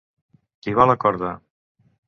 Tibar la corda.